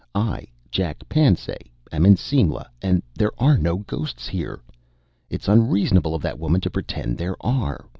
"I, Jack Pansay, am in Simla and there are no ghosts here. It's unreasonable of that woman to pretend there are.